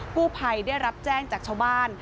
ผู้ภัยได้รับแจ้งจากชาวบ้าน